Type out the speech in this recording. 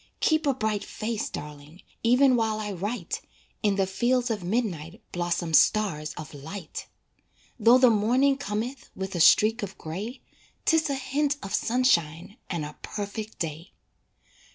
Keep a bright face, darling Even while I write, In the fields of midnight Blossom stars of light. Though the morning cometh With a streak of gray, 'Tis a hint of sunshine And a perfect day.